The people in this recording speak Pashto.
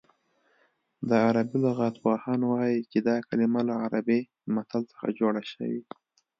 د عربي لغت پوهان وايي چې دا کلمه له عربي مثل څخه جوړه شوې